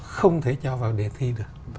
không thể cho vào đề thi được